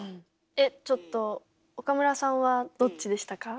えっちょっと岡村さんはどっちでしたか？